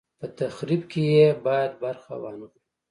په تخریب کې یې باید برخه وانه خلو.